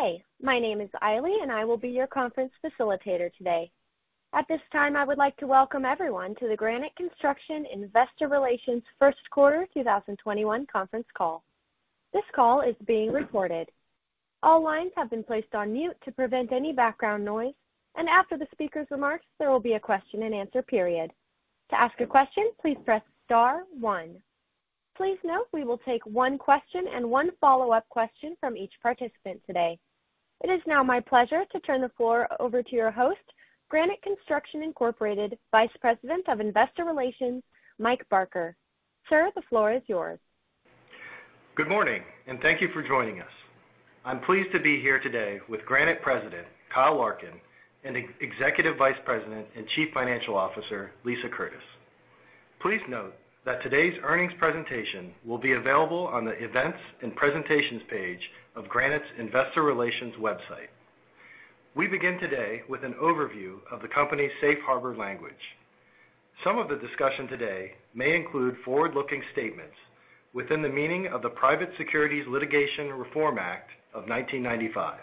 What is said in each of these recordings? Good day! My name is Ailey, and I will be your conference facilitator today. At this time, I would like to welcome everyone to the Granite Construction Investor Relations First Quarter 2021 conference call. This call is being recorded. All lines have been placed on mute to prevent any background noise, and after the speaker's remarks, there will be a question-and-answer period. To ask a question, please press star one. Please note, we will take one question and one follow-up question from each participant today. It is now my pleasure to turn the floor over to your host, Granite Construction Incorporated, Vice President of Investor Relations, Mike Barker. Sir, the floor is yours. Good morning, and thank you for joining us. I'm pleased to be here today with Granite President Kyle Larkin, and Executive Vice President and Chief Financial Officer Lisa Curtis. Please note that today's earnings presentation will be available on the Events and Presentations page of Granite's Investor Relations website. We begin today with an overview of the company's safe harbor language. Some of the discussion today may include forward-looking statements within the meaning of the Private Securities Litigation Reform Act of 1995.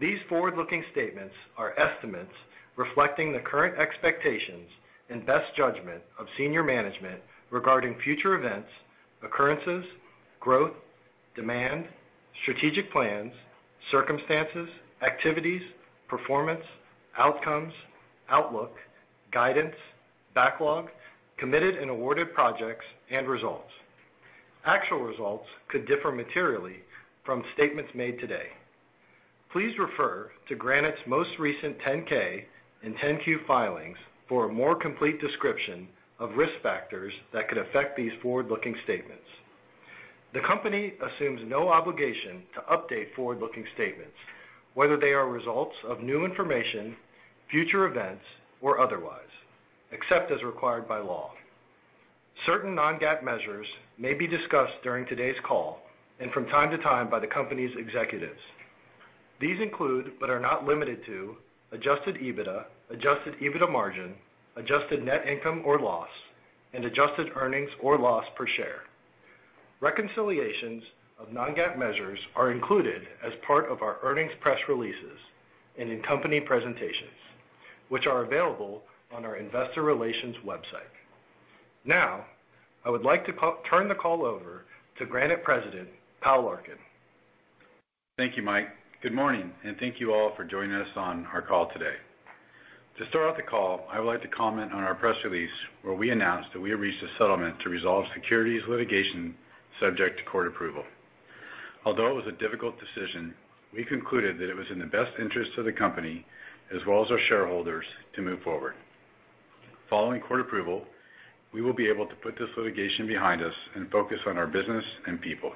These forward-looking statements are estimates reflecting the current expectations and best judgment of senior management regarding future events, occurrences, growth, demand, strategic plans, circumstances, activities, performance, outcomes, outlook, guidance, backlog, committed and awarded projects, and results. Actual results could differ materially from statements made today. Please refer to Granite's most recent 10-K and 10-Q filings for a more complete description of risk factors that could affect these forward-looking statements. The company assumes no obligation to update forward-looking statements, whether they are results of new information, future events, or otherwise, except as required by law. Certain non-GAAP measures may be discussed during today's call and from time to time by the company's executives. These include, but are not limited to, Adjusted EBITDA, Adjusted EBITDA margin, adjusted net income or loss, and adjusted earnings or loss per share. Reconciliations of non-GAAP measures are included as part of our earnings press releases and in company presentations, which are available on our investor relations website. Now, I would like to turn the call over to Granite President, Kyle Larkin. Thank you, Mike. Good morning, and thank you all for joining us on our call today. To start off the call, I would like to comment on our press release, where we announced that we have reached a settlement to resolve securities litigation subject to court approval. Although it was a difficult decision, we concluded that it was in the best interest of the company as well as our shareholders to move forward. Following court approval, we will be able to put this litigation behind us and focus on our business and people.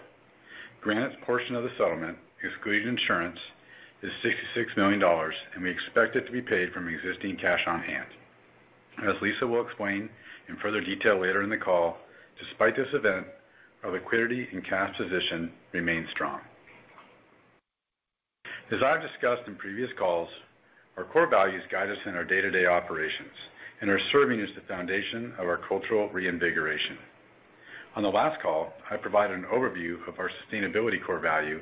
Granite's portion of the settlement, excluding insurance, is $66 million, and we expect it to be paid from existing cash on hand. As Lisa will explain in further detail later in the call, despite this event, our liquidity and cash position remains strong. As I've discussed in previous calls, our core values guide us in our day-to-day operations and are serving as the foundation of our cultural reinvigoration. On the last call, I provided an overview of our sustainability core value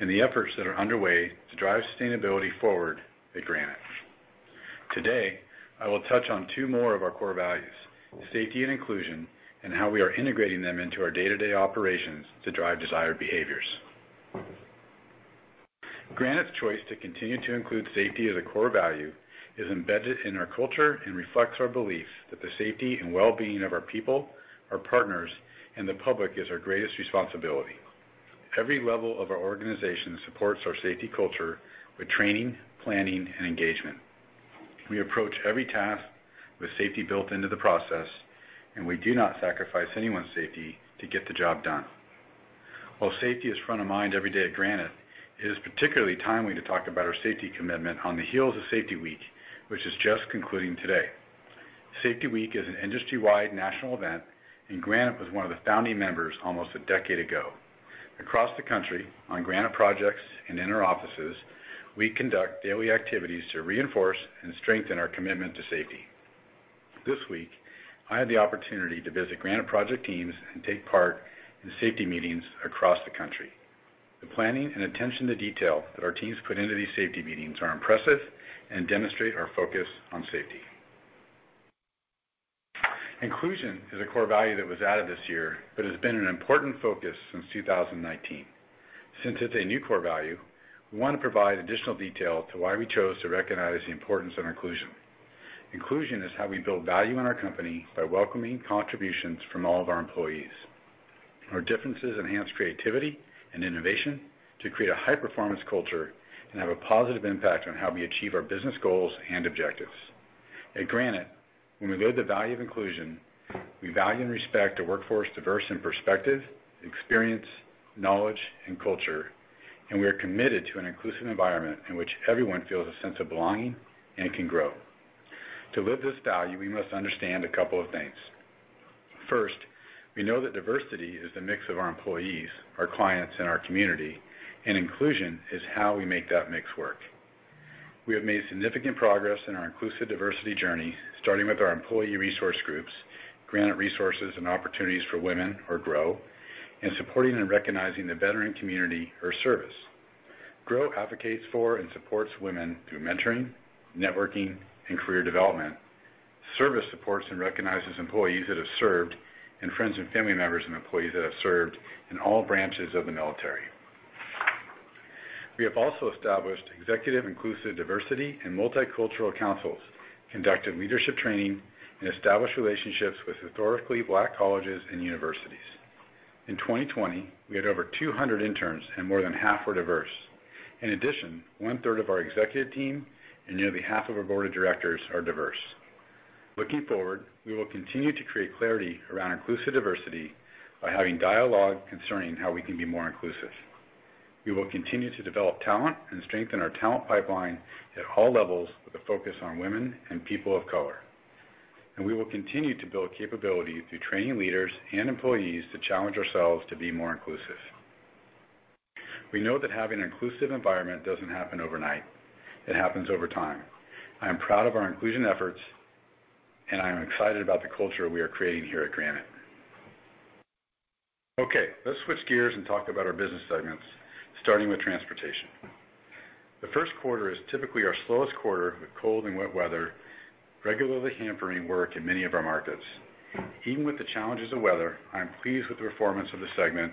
and the efforts that are underway to drive sustainability forward at Granite. Today, I will touch on two more of our core values, safety and inclusion, and how we are integrating them into our day-to-day operations to drive desired behaviors. Granite's choice to continue to include safety as a core value is embedded in our culture and reflects our belief that the safety and well-being of our people, our partners, and the public is our greatest responsibility. Every level of our organization supports our safety culture with training, planning, and engagement. We approach every task with safety built into the process, and we do not sacrifice anyone's safety to get the job done. While safety is front of mind every day at Granite, it is particularly timely to talk about our safety commitment on the heels of Safety Week, which is just concluding today. Safety Week is an industry-wide national event, and Granite was one of the founding members almost a decade ago. Across the country, on Granite projects and in our offices, we conduct daily activities to reinforce and strengthen our commitment to safety. This week, I had the opportunity to visit Granite project teams and take part in safety meetings across the country. The planning and attention to detail that our teams put into these safety meetings are impressive and demonstrate our focus on safety. Inclusion is a core value that was added this year, but it has been an important focus since 2019. Since it's a new core value, we want to provide additional detail to why we chose to recognize the importance of inclusion. Inclusion is how we build value in our company by welcoming contributions from all of our employees. Our differences enhance creativity and innovation to create a high-performance culture and have a positive impact on how we achieve our business goals and objectives. At Granite, when we build the value of inclusion, we value and respect a workforce diverse in perspective, experience, knowledge, and culture, and we are committed to an inclusive environment in which everyone feels a sense of belonging and can grow. To live this value, we must understand a couple of things. First, we know that diversity is the mix of our employees, our clients, and our community, and inclusion is how we make that mix work... We have made significant progress in our inclusive diversity journey, starting with our employee resource groups, Granite Resources and Opportunities for Women, or GROW, and supporting and recognizing the veteran community or SERVICE. GROW advocates for and supports women through mentoring, networking, and career development. SERVICE supports and recognizes employees that have served, and friends and family members and employees that have served in all branches of the military. We have also established executive inclusive diversity and multicultural councils, conducted leadership training, and established relationships with Historically Black Colleges and Universities. In 2020, we had over 200 interns, and more than half were diverse. In addition, one-third of our executive team and nearly half of our board of directors are diverse. Looking forward, we will continue to create clarity around inclusive diversity by having dialogue concerning how we can be more inclusive. We will continue to develop talent and strengthen our talent pipeline at all levels, with a focus on women and people of color, and we will continue to build capability through training leaders and employees to challenge ourselves to be more inclusive. We know that having an inclusive environment doesn't happen overnight. It happens over time. I am proud of our inclusion efforts, and I am excited about the culture we are creating here at Granite. Okay, let's switch gears and talk about our business segments, starting with transportation. The first quarter is typically our slowest quarter, with cold and wet weather regularly hampering work in many of our markets. Even with the challenges of weather, I'm pleased with the performance of the segment,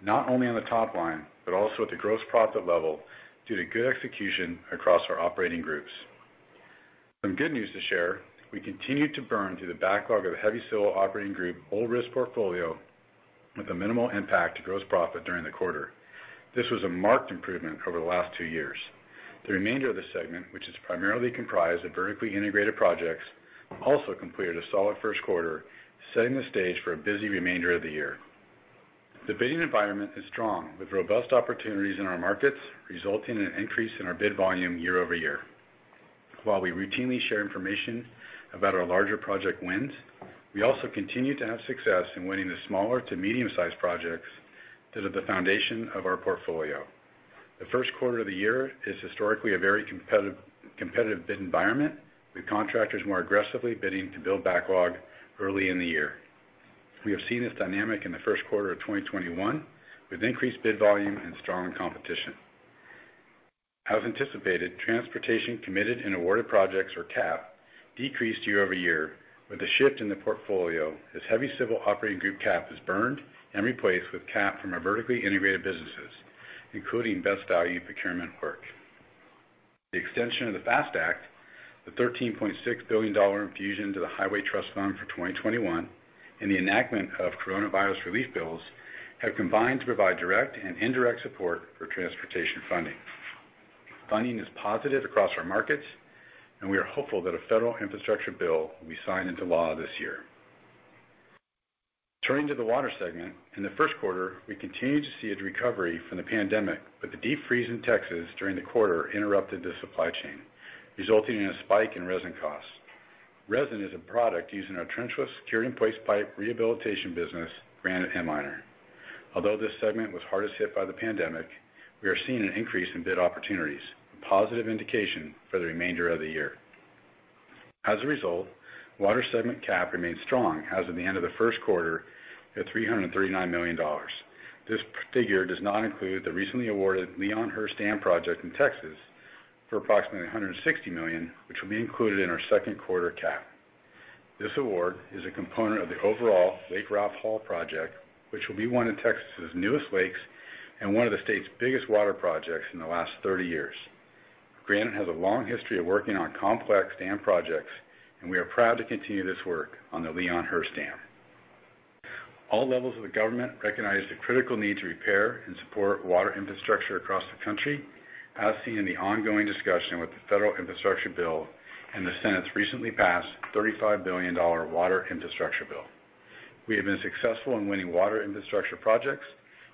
not only on the top line, but also at the gross profit level, due to good execution across our operating groups. Some good news to share, we continued to burn through the backlog of the Heavy Civil Operating Group, Old Risk Portfolio, with a minimal impact to gross profit during the quarter. This was a marked improvement over the last two years. The remainder of the segment, which is primarily comprised of vertically integrated projects, also completed a solid first quarter, setting the stage for a busy remainder of the year. The bidding environment is strong, with robust opportunities in our markets, resulting in an increase in our bid volume year-over-year. While we routinely share information about our larger project wins, we also continue to have success in winning the smaller to medium-sized projects that are the foundation of our portfolio. The first quarter of the year is historically a very competitive bid environment, with contractors more aggressively bidding to build backlog early in the year. We have seen this dynamic in the first quarter of 2021, with increased bid volume and strong competition. As anticipated, transportation committed and awarded projects, or CAP, decreased year-over-year, with a shift in the portfolio as Heavy Civil Operating Group CAP is burned and replaced with CAP from our vertically integrated businesses, including Best Value Procurement work. The extension of the FAST Act, the $13.6 billion infusion to the Highway Trust Fund for 2021, and the enactment of coronavirus relief bills have combined to provide direct and indirect support for transportation funding. Funding is positive across our markets, and we are hopeful that a federal infrastructure bill will be signed into law this year. Turning to the water segment, in the first quarter, we continued to see a recovery from the pandemic, but the deep freeze in Texas during the quarter interrupted the supply chain, resulting in a spike in resin costs. Resin is a product used in our trenchless cured-in-place pipe rehabilitation business, Granite Inliner. Although this segment was hardest hit by the pandemic, we are seeing an increase in bid opportunities, a positive indication for the remainder of the year. As a result, water segment CAP remains strong as of the end of the first quarter at $339 million. This figure does not include the recently awarded Leon Hurse Dam project in Texas for approximately $160 million, which will be included in our second quarter CAP. This award is a component of the overall Lake Ralph Hall project, which will be one of Texas' newest lakes and one of the state's biggest water projects in the last 30 years. Granite has a long history of working on complex dam projects, and we are proud to continue this work on the Leon Hurse Dam. All levels of the government recognize the critical need to repair and support water infrastructure across the country, as seen in the ongoing discussion with the federal infrastructure bill and the Senate's recently passed $35 billion water infrastructure bill. We have been successful in winning water infrastructure projects,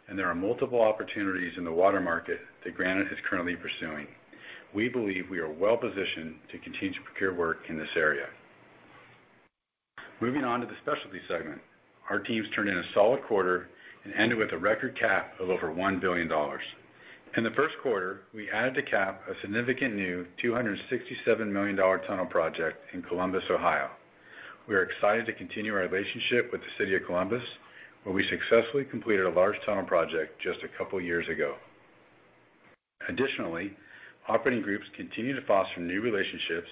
and there are multiple opportunities in the water market that Granite is currently pursuing. We believe we are well positioned to continue to procure work in this area. Moving on to the specialty segment. Our teams turned in a solid quarter and ended with a record CAP of over $1 billion. In the first quarter, we added to CAP a significant new $267 million tunnel project in Columbus, Ohio. We are excited to continue our relationship with the city of Columbus, where we successfully completed a large tunnel project just a couple years ago. Additionally, operating groups continue to foster new relationships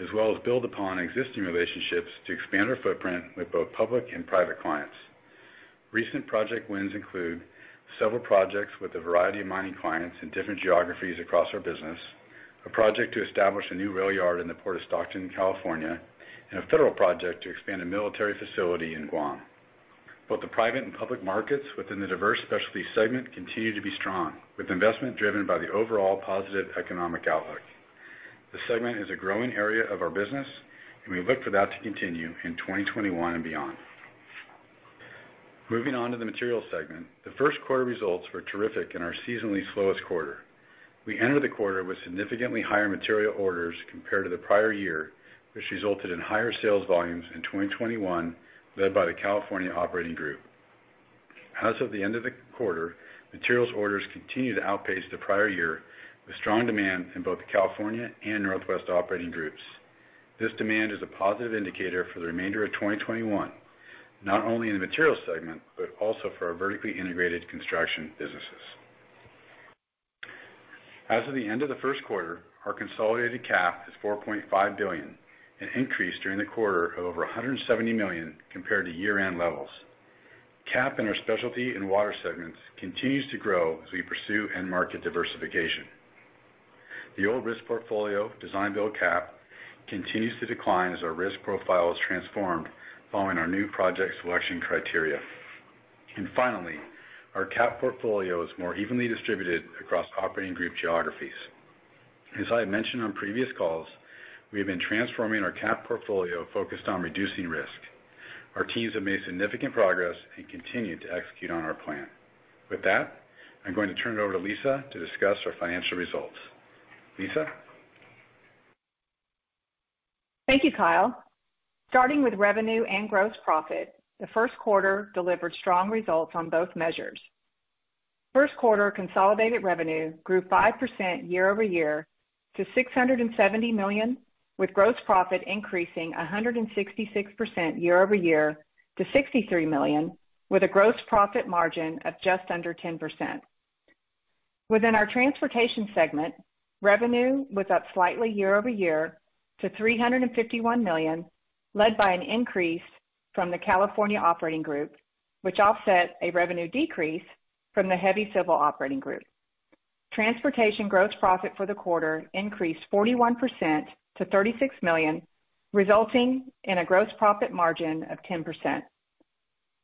as well as build upon existing relationships to expand our footprint with both public and private clients. Recent project wins include several projects with a variety of mining clients in different geographies across our business, a project to establish a new rail yard in the Port of Stockton, California, and a federal project to expand a military facility in Guam. Both the private and public markets within the diverse specialty segment continue to be strong, with investment driven by the overall positive economic outlook. The segment is a growing area of our business, and we look for that to continue in 2021 and beyond. Moving on to the materials segment. The first quarter results were terrific in our seasonally slowest quarter. We entered the quarter with significantly higher material orders compared to the prior year, which resulted in higher sales volumes in 2021, led by the California Operating Group. As of the end of the quarter, materials orders continued to outpace the prior year, with strong demand in both the California and Northwest Operating Groups. This demand is a positive indicator for the remainder of 2021, not only in the materials segment, but also for our vertically integrated construction businesses. As of the end of the first quarter, our consolidated CAP is $4.5 billion, an increase during the quarter of over $170 million compared to year-end levels. CAP in our Specialty and Water segments continues to grow as we pursue end market diversification. The old risk portfolio, design-build CAP, continues to decline as our risk profile is transformed following our new project selection criteria. Finally, our CAP portfolio is more evenly distributed across operating group geographies. As I had mentioned on previous calls, we have been transforming our CAP portfolio focused on reducing risk. Our teams have made significant progress and continue to execute on our plan. With that, I'm going to turn it over to Lisa to discuss our financial results. Lisa? Thank you, Kyle. Starting with revenue and gross profit, the first quarter delivered strong results on both measures. First quarter consolidated revenue grew 5% year-over-year to $670 million, with gross profit increasing 166% year-over-year to $63 million, with a gross profit margin of just under 10%. Within our transportation segment, revenue was up slightly year-over-year to $351 million, led by an increase from the California Operating Group, which offset a revenue decrease from the Heavy Civil Operating Group. Transportation gross profit for the quarter increased 41% to $36 million, resulting in a gross profit margin of 10%.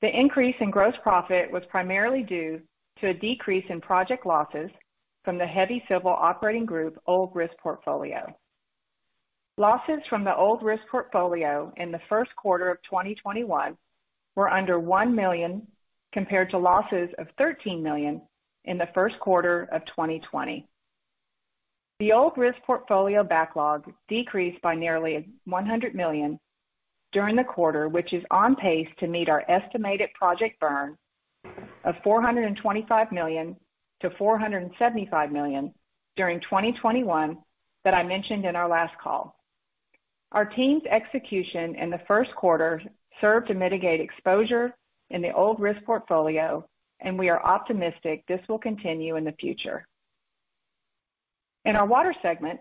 The increase in gross profit was primarily due to a decrease in project losses from the Heavy Civil Operating Group Old Risk Portfolio. Losses from the Old Risk Portfolio in the first quarter of 2021 were under $1 million, compared to losses of $13 million in the first quarter of 2020. The Old Risk Portfolio backlog decreased by nearly $100 million during the quarter, which is on pace to meet our estimated project burn of $425 million-$475 million during 2021 that I mentioned in our last call. Our team's execution in the first quarter served to mitigate exposure in the Old Risk Portfolio, and we are optimistic this will continue in the future. In our water segment,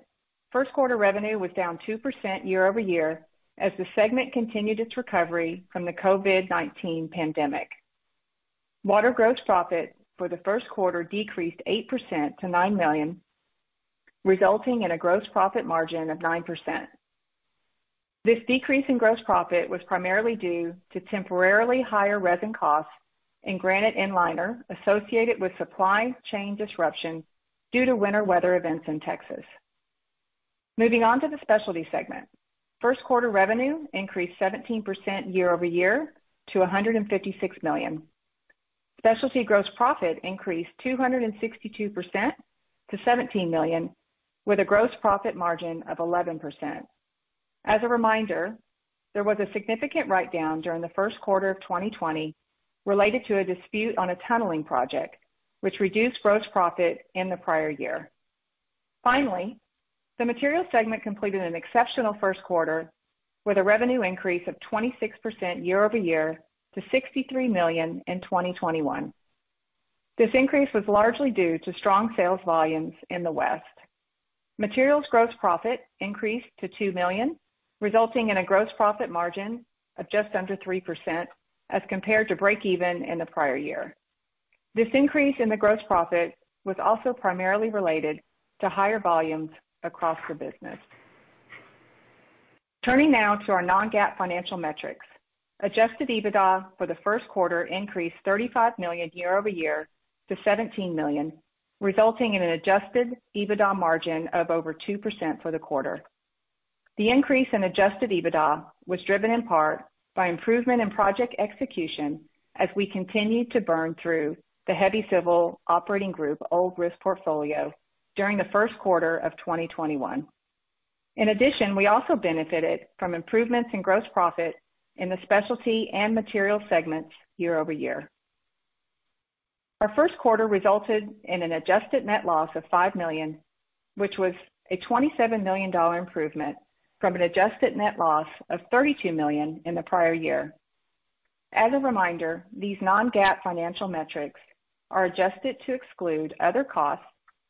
first quarter revenue was down 2% year-over-year as the segment continued its recovery from the COVID-19 pandemic. Water gross profit for the first quarter decreased 8% to $9 million, resulting in a gross profit margin of 9%. This decrease in gross profit was primarily due to temporarily higher resin costs in Granite Inliner associated with supply chain disruptions due to winter weather events in Texas. Moving on to the specialty segment. First quarter revenue increased 17% year-over-year to $156 million. Specialty gross profit increased 262% to $17 million, with a gross profit margin of 11%. As a reminder, there was a significant write-down during the first quarter of 2020 related to a dispute on a tunneling project, which reduced gross profit in the prior year. Finally, the materials segment completed an exceptional first quarter with a revenue increase of 26% year-over-year to $63 million in 2021. This increase was largely due to strong sales volumes in the West. Materials gross profit increased to $2 million, resulting in a gross profit margin of just under 3% as compared to breakeven in the prior year. This increase in the gross profit was also primarily related to higher volumes across the business. Turning now to our non-GAAP financial metrics. Adjusted EBITDA for the first quarter increased $35 million year-over-year to $17 million, resulting in an Adjusted EBITDA margin of over 2% for the quarter. The increase in Adjusted EBITDA was driven in part by improvement in project execution as we continued to burn through the Heavy Civil Operating Group Old Risk Portfolio during the first quarter of 2021. In addition, we also benefited from improvements in gross profit in the specialty and material segments year-over-year. Our first quarter resulted in an adjusted net loss of $5 million, which was a $27 million improvement from an adjusted net loss of $32 million in the prior year. As a reminder, these non-GAAP financial metrics are adjusted to exclude other costs,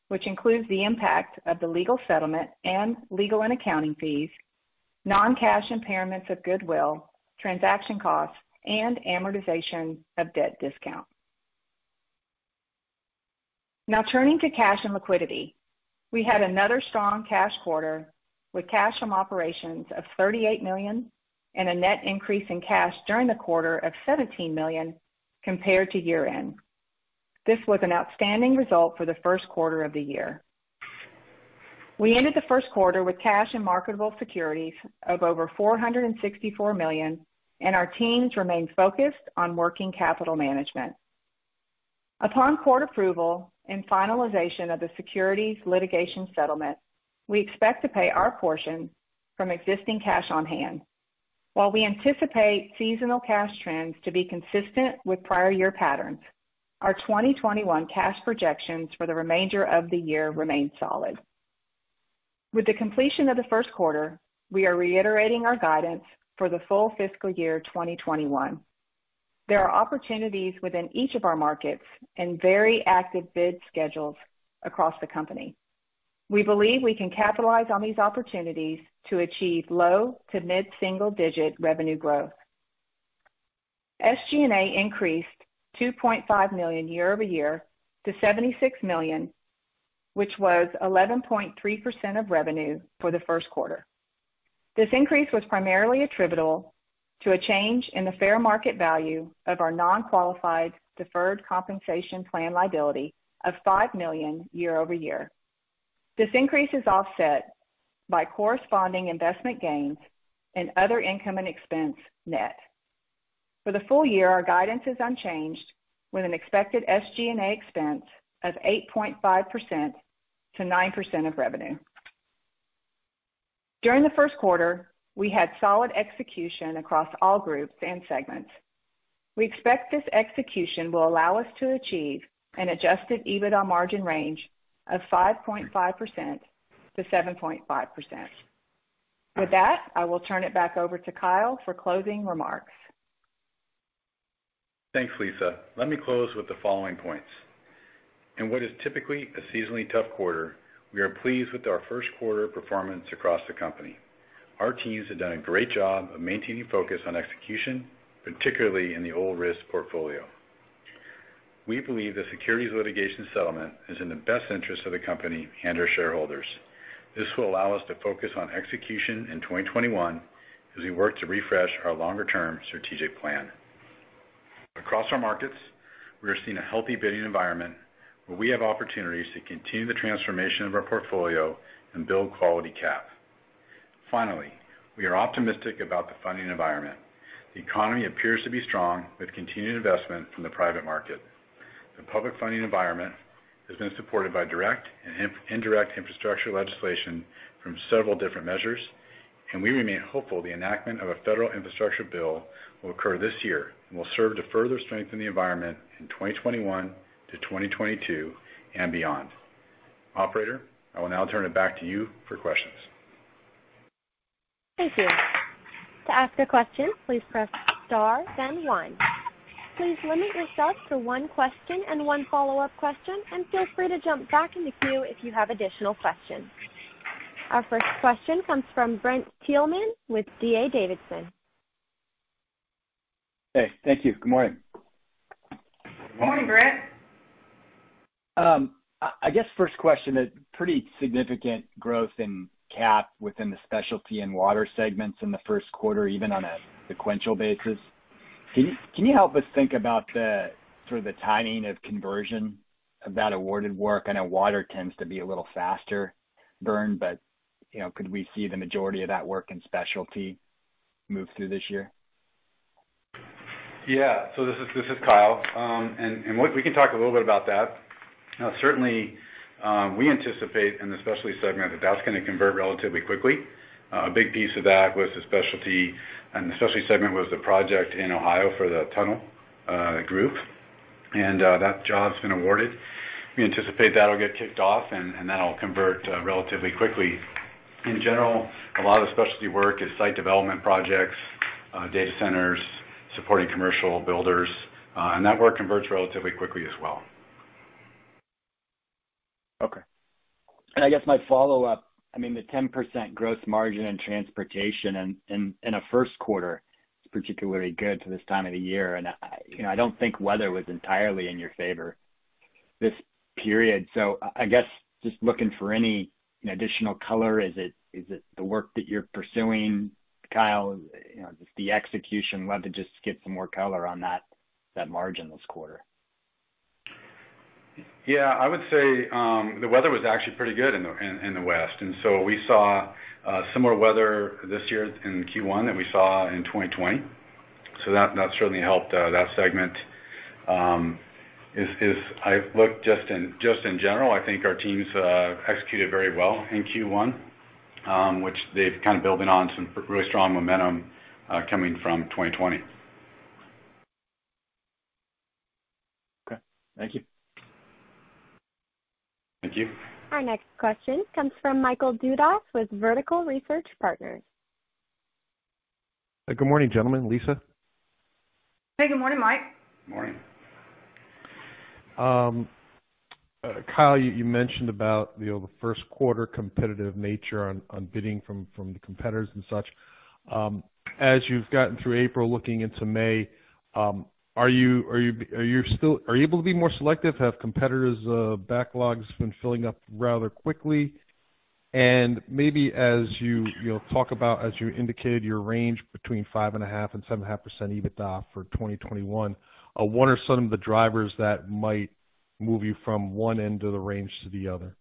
which includes the impact of the legal settlement and legal and accounting fees, non-cash impairments of goodwill, transaction costs, and amortization of debt discount. Now, turning to cash and liquidity. We had another strong cash quarter with cash from operations of $38 million and a net increase in cash during the quarter of $17 million compared to year-end. This was an outstanding result for the first quarter of the year. We ended the first quarter with cash and marketable securities of over $464 million, and our teams remain focused on working capital management.... Upon court approval and finalization of the securities litigation settlement, we expect to pay our portion from existing cash on hand. While we anticipate seasonal cash trends to be consistent with prior year patterns, our 2021 cash projections for the remainder of the year remain solid. With the completion of the first quarter, we are reiterating our guidance for the full fiscal year 2021. There are opportunities within each of our markets and very active bid schedules across the company. We believe we can capitalize on these opportunities to achieve low- to mid-single-digit revenue growth. SG&A increased $2.5 million year-over-year to $76 million, which was 11.3% of revenue for the first quarter. This increase was primarily attributable to a change in the fair market value of our non-qualified deferred compensation plan liability of $5 million year-over-year. This increase is offset by corresponding investment gains and other income and expense net. For the full year, our guidance is unchanged, with an expected SG&A expense of 8.5%-9% of revenue. During the first quarter, we had solid execution across all groups and segments. We expect this execution will allow us to achieve an Adjusted EBITDA margin range of 5.5%-7.5%. With that, I will turn it back over to Kyle for closing remarks. Thanks, Lisa. Let me close with the following points. In what is typically a seasonally tough quarter, we are pleased with our first quarter performance across the company. Our teams have done a great job of maintaining focus on execution, particularly in the Old Risk Portfolio. We believe the securities litigation settlement is in the best interest of the company and our shareholders. This will allow us to focus on execution in 2021 as we work to refresh our longer-term strategic plan. Across our markets, we are seeing a healthy bidding environment, where we have opportunities to continue the transformation of our portfolio and build quality CAP. Finally, we are optimistic about the funding environment. The economy appears to be strong, with continued investment from the private market. The public funding environment has been supported by direct and indirect infrastructure legislation from several different measures, and we remain hopeful the enactment of a federal infrastructure bill will occur this year and will serve to further strengthen the environment in 2021-2022 and beyond. Operator, I will now turn it back to you for questions. Thank you. To ask a question, please press star then one. Please limit yourselves to one question and one follow-up question, and feel free to jump back in the queue if you have additional questions. Our first question comes from Brent Thielman with D.A. Davidson. Hey, thank you. Good morning. Good morning, Brent. I guess first question is pretty significant growth in cap within the specialty and water segments in the first quarter, even on a sequential basis. Can you help us think about the sort of the timing of conversion of that awarded work? I know water tends to be a little faster burn, but, you know, could we see the majority of that work in specialty move through this year? Yeah. So this is Kyle. And we can talk a little bit about that. Now, certainly, we anticipate in the specialty segment that that's gonna convert relatively quickly. A big piece of that was the specialty segment was the project in Ohio for the tunnel group. And that job's been awarded. We anticipate that'll get kicked off, and that'll convert relatively quickly. In general, a lot of the specialty work is site development projects, data centers, supporting commercial builders, and that work converts relatively quickly as well. Okay. I guess my follow-up, I mean, the 10% growth margin in transportation in a first quarter is particularly good for this time of the year, and I, you know, I don't think weather was entirely in your favor this period. So I guess just looking for any additional color. Is it the work that you're pursuing, Kyle? You know, just the execution. Love to just get some more color on that, that margin this quarter. Yeah, I would say the weather was actually pretty good in the West, and so we saw similar weather this year in Q1 than we saw in 2020. So that certainly helped that segment. If I look just in general, I think our teams executed very well in Q1, which they've kind of building on some really strong momentum coming from 2020. Okay. Thank you. Thank you. Our next question comes from Michael Dudas with Vertical Research Partners. Good morning, gentlemen, Lisa. Hey, good morning, Mike. Morning. Kyle, you mentioned about the first quarter competitive nature on bidding from the competitors and such. As you've gotten through April, looking into May, are you still able to be more selective? Have competitors' backlogs been filling up rather quickly? And maybe as you know, talk about, as you indicated, your range between 5.5% and 7.5% EBITDA for 2021, what are some of the drivers that might move you from one end of the range to the other?...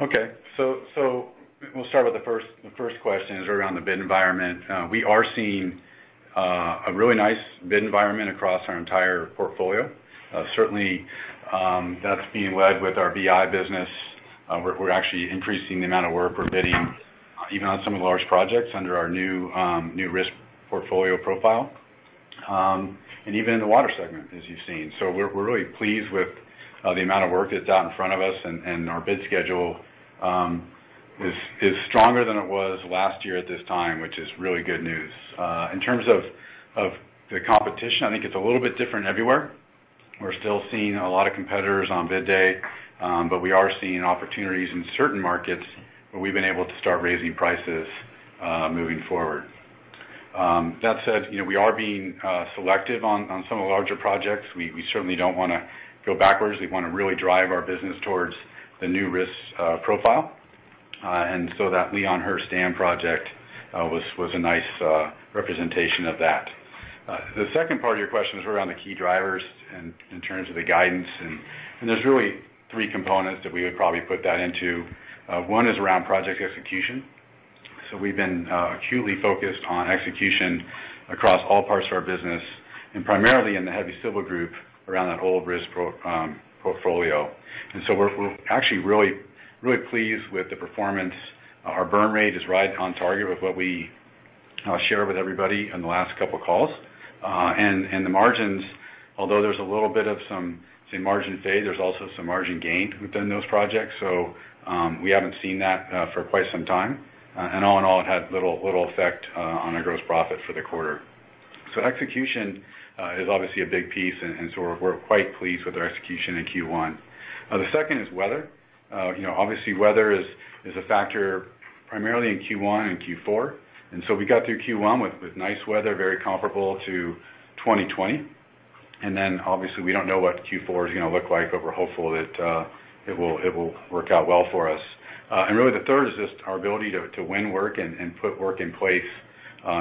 Okay, so we'll start with the first question is around the bid environment. We are seeing a really nice bid environment across our entire portfolio. Certainly, that's being led with our BI business. We're actually increasing the amount of work we're bidding, even on some of the large projects under our new risk portfolio profile, and even in the water segment, as you've seen. So we're really pleased with the amount of work that's out in front of us, and our bid schedule is stronger than it was last year at this time, which is really good news. In terms of the competition, I think it's a little bit different everywhere. We're still seeing a lot of competitors on bid day, but we are seeing opportunities in certain markets where we've been able to start raising prices, moving forward. That said, you know, we are being selective on some of the larger projects. We certainly don't wanna go backwards. We wanna really drive our business towards the new risk profile. And so that Leon Hurse Dam project was a nice representation of that. The second part of your question is around the key drivers in terms of the guidance, and there's really three components that we would probably put that into. One is around project execution. So we've been acutely focused on execution across all parts of our business, and primarily in the Heavy Civil Group, around that whole risk portfolio. So we're actually really, really pleased with the performance. Our burn rate is right on target with what we shared with everybody in the last couple of calls. And the margins, although there's a little bit of some, say, margin fade, there's also some margin gain within those projects. So we haven't seen that for quite some time. And all in all, it had little, little effect on our gross profit for the quarter. So execution is obviously a big piece, and so we're quite pleased with our execution in Q1. The second is weather. You know, obviously, weather is a factor primarily in Q1 and Q4, and so we got through Q1 with nice weather, very comparable to 2020. And then, obviously, we don't know what Q4 is gonna look like, but we're hopeful that, it will, it will work out well for us. And really, the third is just our ability to, to win work and, and put work in place,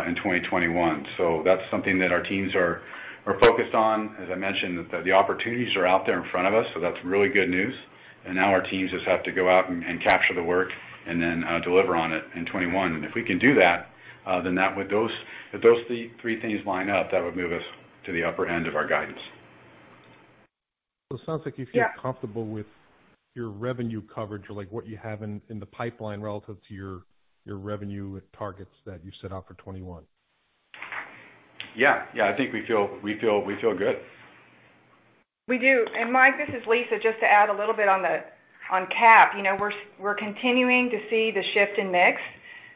in 2021. So that's something that our teams are, are focused on. As I mentioned, the, the opportunities are out there in front of us, so that's really good news. And now our teams just have to go out and, and capture the work and then, deliver on it in 2021. And if we can do that, then, with those, if those three, three things line up, that would move us to the upper end of our guidance. So it sounds like you feel comfortable- Yeah. with your revenue coverage or, like, what you have in the pipeline relative to your revenue targets that you set out for 2021. Yeah. Yeah, I think we feel, we feel, we feel good. We do. And Mike, this is Lisa, just to add a little bit on the, on cap. You know, we're we're continuing to see the shift in mix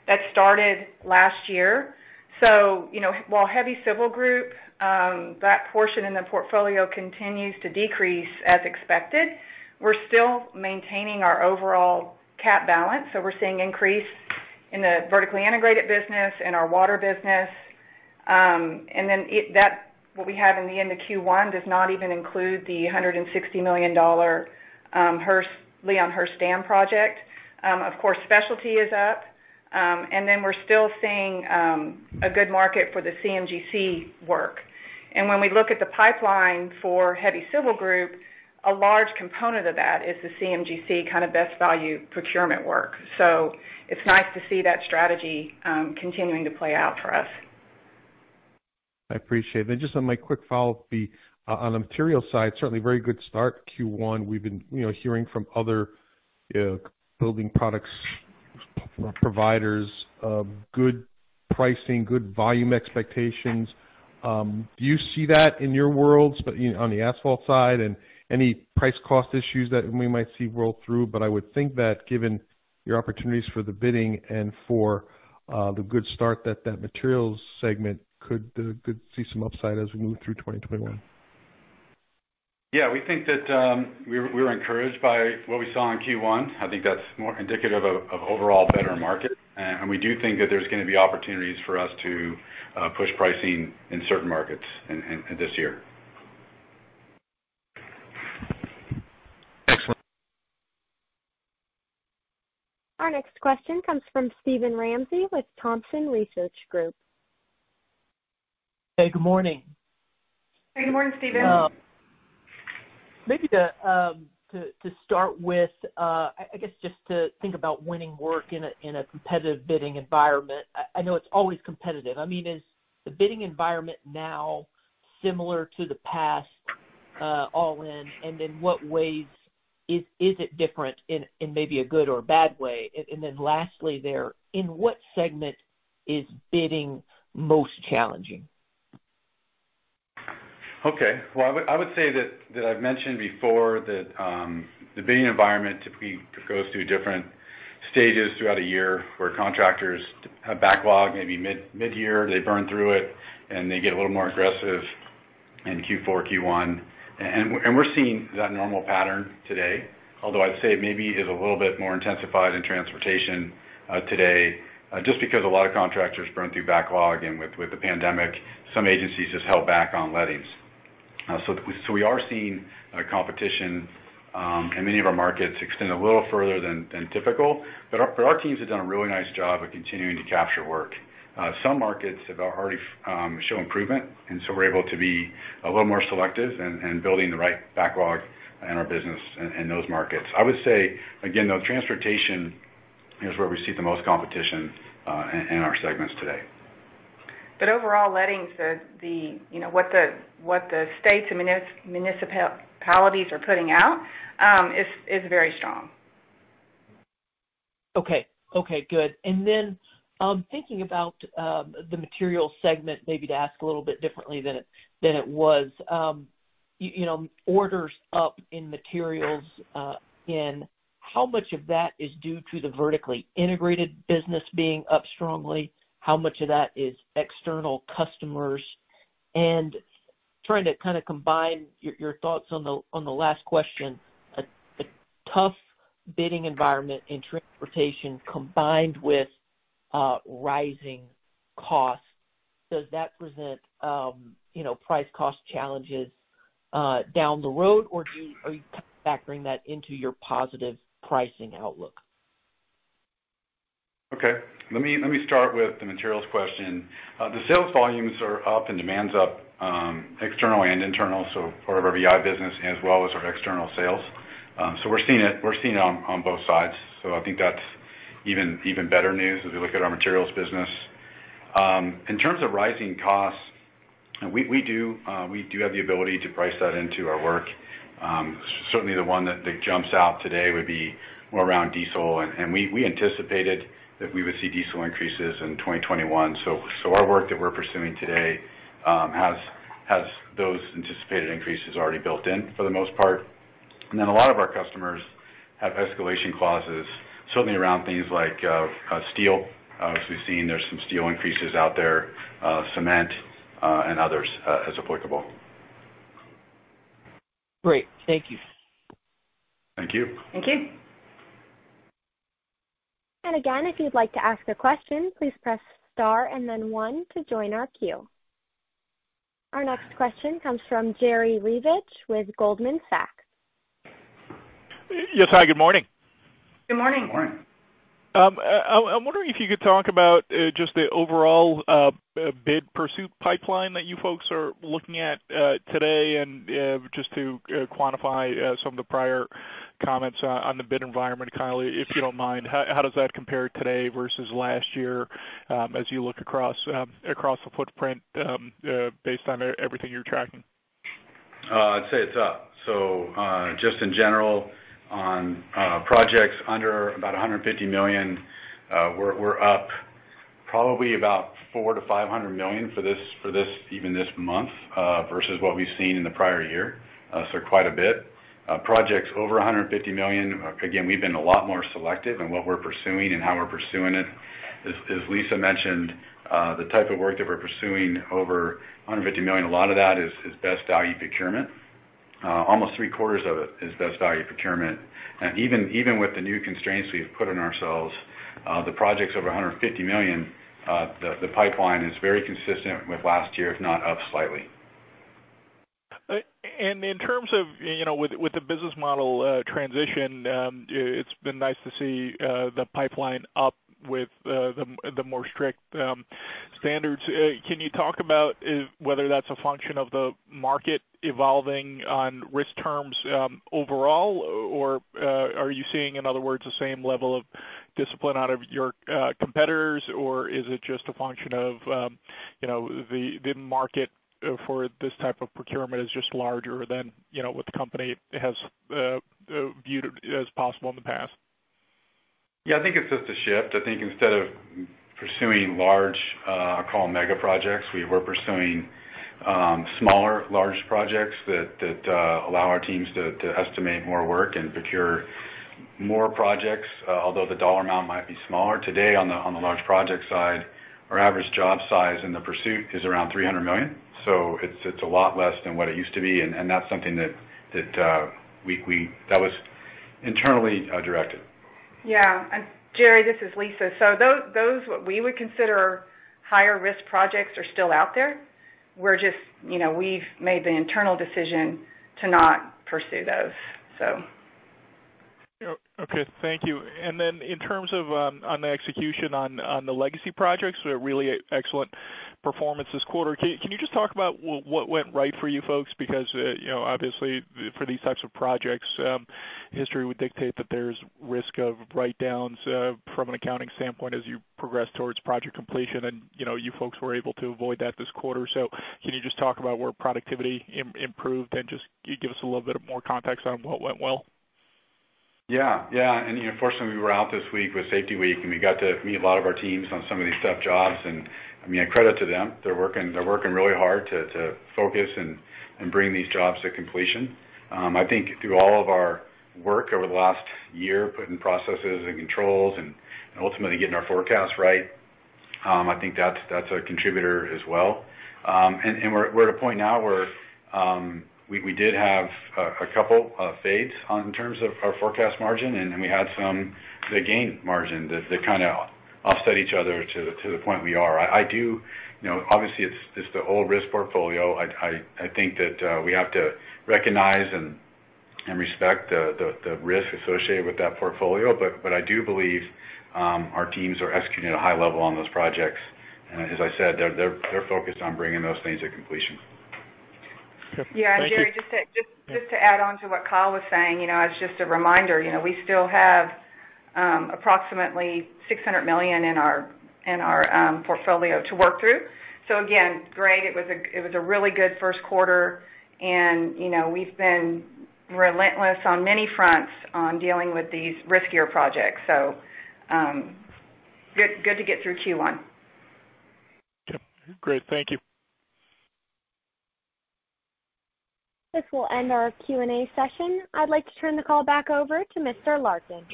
that started last year. So, you know, while heavy civil group, that portion in the portfolio continues to decrease as expected, we're still maintaining our overall cap balance. So we're seeing increase in the vertically integrated business, in our water business. And then that, what we have in the end of Q1, does not even include the $160 million Leon Hurse Dam project. Of course, specialty is up, and then we're still seeing a good market for the CMGC work. And when we look at the pipeline for heavy civil group, a large component of that is the CMGC kind of best value procurement work. So it's nice to see that strategy continuing to play out for us. I appreciate it. Then just on my quick follow-up, the, on the material side, certainly very good start, Q1. We've been, you know, hearing from other, building products providers of good pricing, good volume expectations. Do you see that in your worlds, but, you know, on the asphalt side, and any price-cost issues that we might see roll through? But I would think that given your opportunities for the bidding and for, the good start, that that materials segment could, could see some upside as we move through 2021. Yeah, we think that we were encouraged by what we saw in Q1. I think that's more indicative of overall better market. And we do think that there's gonna be opportunities for us to push pricing in certain markets in this year. Excellent. Our next question comes from Steven Ramsey with Thompson Research Group. Hey, good morning. Hey, good morning, Steven. Maybe to start with, I guess just to think about winning work in a competitive bidding environment. I know it's always competitive. I mean, is the bidding environment now similar to the past, all in, and in what ways is it different in maybe a good or a bad way? And then lastly there, in what segment is bidding most challenging? Okay. Well, I would say that I've mentioned before that the bidding environment typically goes through different stages throughout a year, where contractors have backlog, maybe mid-year, they burn through it, and they get a little more aggressive in Q4, Q1. And we're seeing that normal pattern today, although I'd say it maybe is a little bit more intensified in transportation today, just because a lot of contractors burn through backlog, and with the pandemic, some agencies just held back on lettings. So we are seeing competition in many of our markets extend a little further than typical, but our teams have done a really nice job of continuing to capture work. Some markets have already shown improvement, and so we're able to be a little more selective and building the right backlog in our business in those markets. I would say, again, though, transportation is where we see the most competition in our segments today.... But overall, lettings, you know, what the states and municipalities are putting out is very strong. Okay. Okay, good. And then, thinking about the materials segment, maybe to ask a little bit differently than it was. You know, orders up in materials, and how much of that is due to the vertically integrated business being up strongly? How much of that is external customers? And trying to kinda combine your thoughts on the last question, a tough bidding environment in transportation combined with rising costs, does that present, you know, price cost challenges down the road, or do you-- are you factoring that into your positive pricing outlook? Okay. Let me, let me start with the materials question. The sales volumes are up and demand's up, external and internal, so part of our VI business as well as our external sales. So we're seeing it, we're seeing it on, on both sides, so I think that's even, even better news as we look at our materials business. In terms of rising costs, we, we do, we do have the ability to price that into our work. Certainly the one that, that jumps out today would be more around diesel, and, and we, we anticipated that we would see diesel increases in 2021. So, so our work that we're pursuing today, has, has those anticipated increases already built in for the most part. And then a lot of our customers have escalation clauses, certainly around things like, steel. As we've seen, there's some steel increases out there, cement, and others, as applicable. Great, thank you. Thank you. Thank you. And again, if you'd like to ask a question, please press star and then one to join our queue. Our next question comes from Jerry Revich with Goldman Sachs. Yes, hi, good morning. Good morning. Good morning. I'm wondering if you could talk about just the overall bid pursuit pipeline that you folks are looking at today, and just to quantify some of the prior comments on the bid environment, Kyle, if you don't mind. How does that compare today versus last year, as you look across the footprint, based on everything you're tracking? I'd say it's up. So, just in general, on projects under about 150 million, we're up probably about $400 million-$500 million for this even this month versus what we've seen in the prior year. So quite a bit. Projects over 150 million, again, we've been a lot more selective in what we're pursuing and how we're pursuing it. As Lisa mentioned, the type of work that we're pursuing over 150 million, a lot of that is Best Value Procurement. Almost three quarters of it is Best Value Procurement. And even with the new constraints we've put on ourselves, the projects over 150 million, the pipeline is very consistent with last year, if not up slightly. And in terms of, you know, with the business model transition, it's been nice to see the pipeline up with the more strict standards. Can you talk about whether that's a function of the market evolving on risk terms overall? Or are you seeing, in other words, the same level of discipline out of your competitors, or is it just a function of, you know, the market for this type of procurement is just larger than, you know, what the company has viewed as possible in the past? Yeah, I think it's just a shift. I think instead of pursuing large, I'll call them mega projects, we're pursuing smaller, large projects that allow our teams to estimate more work and procure more projects, although the dollar amount might be smaller. Today, on the large project side, our average job size in the pursuit is around $300 million, so it's a lot less than what it used to be, and that's something that we... That was internally directed. Yeah, and Jerry, this is Lisa. So those, those what we would consider higher risk projects are still out there. We're just, you know, we've made the internal decision to not pursue those, so. Oh, okay, thank you. And then in terms of on the execution on the legacy projects, a really excellent performance this quarter. Can you just talk about what went right for you folks? Because, you know, obviously for these types of projects, history would dictate that there's risk of write-downs from an accounting standpoint as you progress towards project completion, and, you know, you folks were able to avoid that this quarter. So can you just talk about where productivity improved and just give us a little bit more context on what went well? Yeah. Yeah, and you know, fortunately, we were out this week with Safety Week, and we got to meet a lot of our teams on some of these tough jobs. And, I mean, a credit to them. They're working, they're working really hard to focus and bring these jobs to completion. I think through all of our work over the last year, putting processes and controls and ultimately getting our forecast right, I think that's a contributor as well. And we're at a point now where we did have a couple of fades in terms of our forecast margin, and then we had some, the gain margin that kinda offset each other to the point we are. I do... You know, obviously, it's the whole risk portfolio. I think that we have to recognize and respect the risk associated with that portfolio, but I do believe our teams are executing at a high level on those projects. And as I said, they're focused on bringing those things to completion. Yep, thank you. Yeah, and Jerry, just to add on to what Kyle was saying, you know, as just a reminder, you know, we still have approximately $600 million in our portfolio to work through. So again, great, it was a really good first quarter and, you know, we've been relentless on many fronts on dealing with these riskier projects. So, good, good to get through Q1. Yep. Great. Thank you. This will end our Q&A session. I'd like to turn the call back over to Mr. Larkin.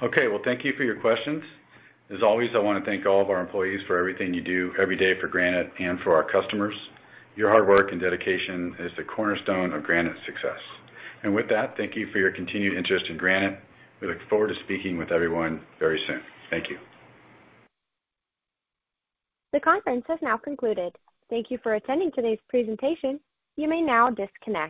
Okay. Well, thank you for your questions. As always, I wanna thank all of our employees for everything you do every day for Granite and for our customers. Your hard work and dedication is the cornerstone of Granite's success. And with that, thank you for your continued interest in Granite. We look forward to speaking with everyone very soon. Thank you. The conference has now concluded. Thank you for attending today's presentation. You may now disconnect.